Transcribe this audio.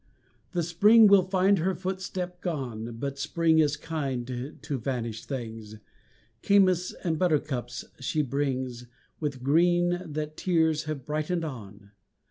The spring will find her footstep gone, But spring is kind to vanished things, Camas and buttercups she brings With green that tears have brightened on.